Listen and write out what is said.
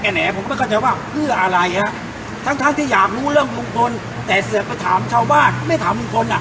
แต่ผมยังไม่ให้ราคาเขาเพราะเหมือนก็อยากจะมากรอก